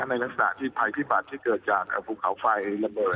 ในลักษณะที่ภัยพิบัติที่เกิดจากภูเขาไฟระเบิด